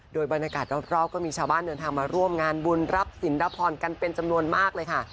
โดยบรรยากาศรอบก็มีชาวบ้านเดินทางมาร่วมงานบุญรับศิลพรกันเป็นจำนวนมากเลยค่ะ